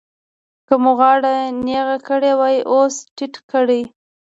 که مو غاړه نېغه کړې وي اوس ټیټه کړئ.